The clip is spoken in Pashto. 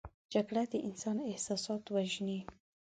جګړه د انسان احساسات وژني